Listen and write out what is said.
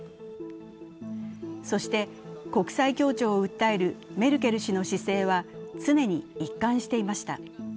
そして国際協調を訴えるメルケル氏の姿勢は常に一貫していました。